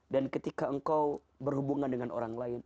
dan ketika engkau berhubungan dengan orang lain